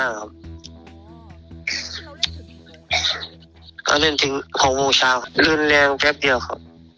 แล้วเล่นถึง๖โมงเช้าเลื่อนแรงแป๊บเดียวครับ